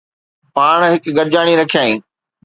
پاڻ هڪ گڏجاڻي رکيائين